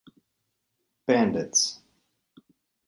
Bandits!